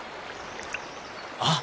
あっ！